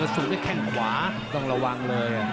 ก็จะสูงได้แค่งขวาต้องระวังเลย